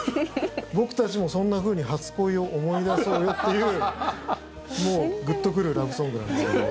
僕たちもそんなふうに初恋を思い出そうよ」というもう、グッと来るラブソングなんですけども。